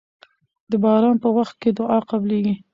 د باران په وخت کې دعا قبليږي.